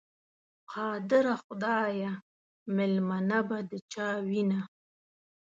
قادره خدایه، مېلمنه به د چا وینه؟